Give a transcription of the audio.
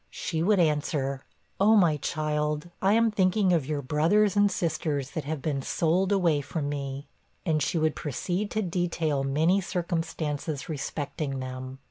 she would answer, 'Oh, my child, I am thinking of your brothers and sisters that have been sold away from me.' And she would proceed to detail many circumstances respecting them.